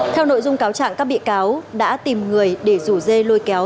theo nội dung cáo trạng các bị cáo đã tìm người để rủ dê lôi kéo